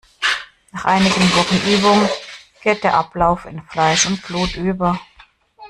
Nach einigen Wochen Übung geht der Ablauf in Fleisch und Blut über.